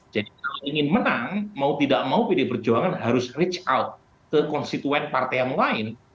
jadi kalau ingin menang mau tidak mau pdi perjuangan harus reach out ke konstituen partai yang lain